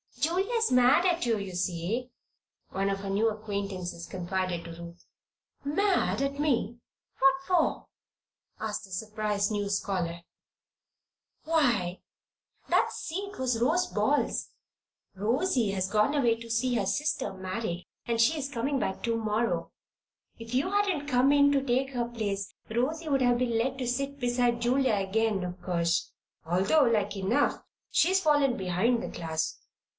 "Julia's mad at you, you see," one of her new acquaintances confided to Ruth. "Mad at me? What for?" asked the surprised new scholar. "Why, that seat was Rosy Ball's. Rosy has gone away to see her sister married and she's coming back to morrow. If you hadn't come in to take her place, Rosy would have been let sit beside Julia again, of course, although like enough she's fallen behind the class.